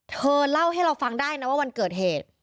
เธอเล่าให้เราฟังได้นะว่าวันเกิดเหตุ